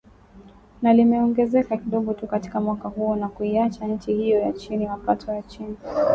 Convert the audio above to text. na limeongezeka kidogo tu katika mwaka huo, na kuiacha nchi hiyo chini ya mapato ya chini .